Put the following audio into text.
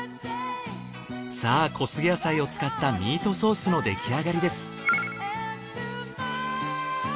さあ小菅野菜を使ったミートソースの出来上がりです。